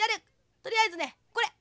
とりあえずねこれ！